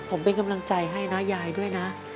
ผมเป็นกำลังใจให้นะยายด้วยนะ